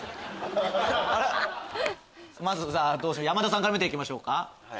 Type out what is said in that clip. まず山田さんから見ていきましょうか。